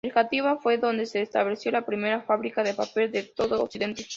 En Játiva fue donde se estableció la primera fábrica de papel de todo Occidente.